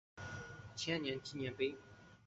千年纪念碑。